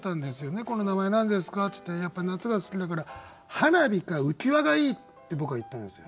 「猫の名前何ですか？」って言ってやっぱり夏が好きだから「はなび」か「うきわ」がいいって僕は言ったんですよ。